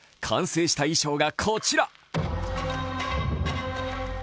完成した衣装が、こちら。